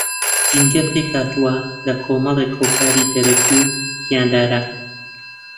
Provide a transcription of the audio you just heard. ژینگە پێکھاتووە لە کۆمەڵێک ھۆکاری دەرەکی و گیانداران